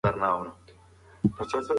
زه په ډېرې بېوسۍ سره ورته ګورم.